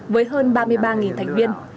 với hơn ba mươi ba thành viên